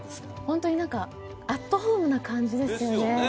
ホントに何かアットホームな感じですよね